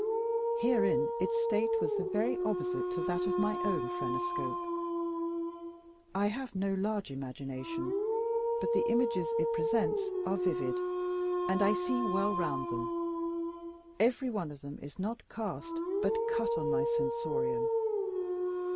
Herein its state was the very opposite to that of my own phrenoscope. I have no large imagination; but the images it presents are vivid, and I see well round them. Every one of them is not cast, but cut, on my sensorium.